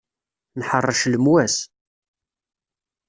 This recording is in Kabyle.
Nḥeṛṛec lemwas.